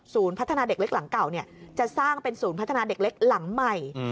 พัฒนาเด็กเล็กหลังเก่าจะสร้างเป็นศูนย์พัฒนาเด็กเล็กหลังใหม่